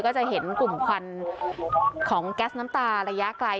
ก็จะเห็นกลุ่มควันของแก๊สน้ำตาระยะไกล